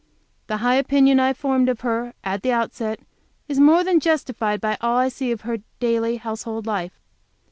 The high opinion I formed of her at the outset is more than justified by all I see of her daily, household life.